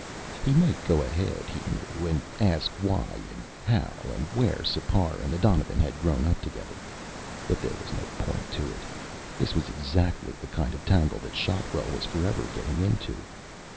He might go ahead, he knew, and ask why and how and where Sipar and the donovan had grown up together, but there was no point to it. This was exactly the kind of tangle that Shotwell was forever getting into.